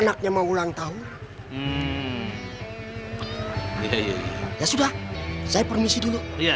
enaknya mau ulang tahun iya sudah saya permisi dulu